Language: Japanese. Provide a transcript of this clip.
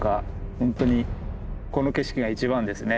本当にこの景色が一番ですね。